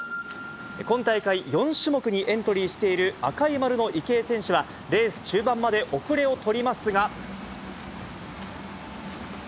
今大会４種目にエントリーしている赤い〇の池江選手はレース中盤まで遅れを取りますが。